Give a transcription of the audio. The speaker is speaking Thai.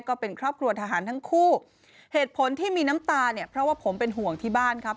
ก็เป็นครอบครัวทหารทั้งคู่เหตุผลที่มีน้ำตาเนี่ยเพราะว่าผมเป็นห่วงที่บ้านครับ